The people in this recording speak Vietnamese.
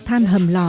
than hầm lò